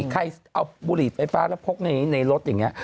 ใครเอาบุหรี่ไฟฟ้าแล้วพกในรถอย่างนี้